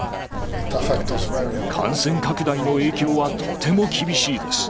感染拡大の影響はとても厳しいです。